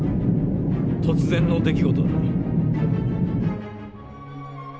突然の出来事だった」。